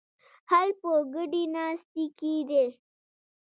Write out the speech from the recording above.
حل په ګډې ناستې کې دی.